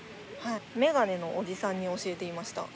眼鏡のおじさんに教えていました。